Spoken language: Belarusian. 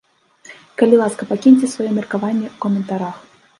Калі ласка, пакіньце сваё меркаванне ў каментарах.